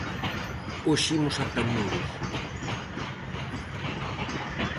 Hoxe imos ata Muros.